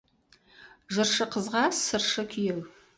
Жыршы қызға сыршы күйеу.